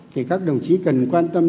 thì các đồng chí cần quan tâm